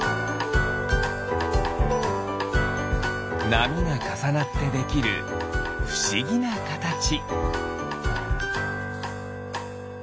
なみがかさなってできるふしぎなかたち。